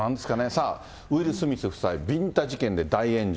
さあ、ウィル・スミス夫妻、ビンタ事件で大炎上。